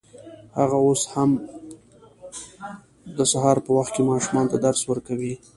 هغه اوس هم د سهار په وخت کې ماشومانو ته درس ورکوي